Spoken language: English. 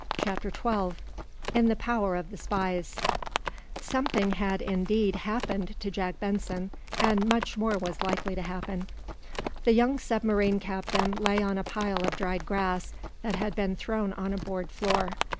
CHAPTER XII IN THE POWER OF THE SPIES Something had, indeed, "happened" to Jack Benson, and much more was likely to happen. The young submarine captain lay on a pile of dried grass that had been thrown on a board floor.